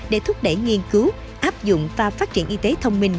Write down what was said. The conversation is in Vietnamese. để thúc đẩy nghiên cứu áp dụng và phát triển y tế thông minh